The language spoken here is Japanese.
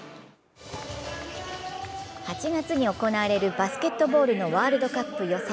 ８月に行われるバスケットボールのワールドカップ予選。